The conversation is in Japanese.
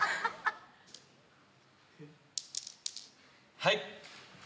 はい。